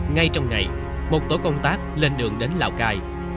ngay trong ngày một tổ công tác lên đường đến lào cai